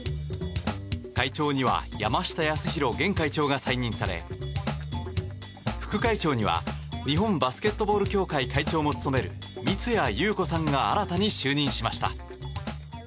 会長には山下泰裕現会長が再任され副会長には日本バスケットボール協会会長も務める、三屋裕子氏が新たに就任しました。